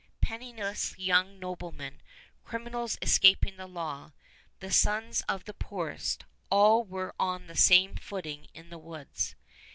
Penniless young noblemen, criminals escaping the law, the sons of the poorest, all were on the same footing in the woods.